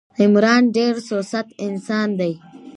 عمران ډېر سوست انسان ده.